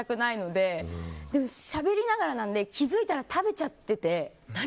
でも、しゃべりながらなので気づいたら食べちゃってて。